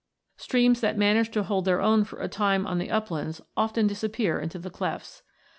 Streams that manage to hold their own for a time on the uplands often disappear into the clefts.